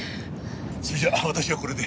それじゃあ私はこれで。